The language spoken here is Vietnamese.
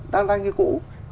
đang đang như cũ